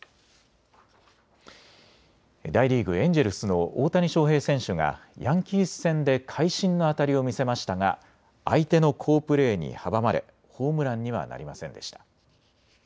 大リーグ、エンジェルスの大谷翔平選手がヤンキース戦で会心の当たりを見せましたが相手の好プレーに阻まれホームランにはなりませんでした。